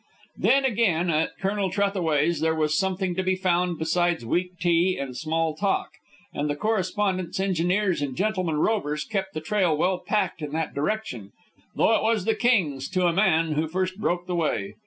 Then, again, at Colonel Trethaway's there was something to be found besides weak tea and small talk; and the correspondents, engineers, and gentlemen rovers kept the trail well packed in that direction, though it was the Kings, to a man, who first broke the way.